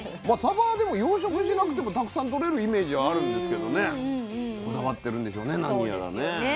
まあサバはでも養殖しなくてもたくさん取れるイメージあるんですけどねこだわってるんでしょうね何やらね。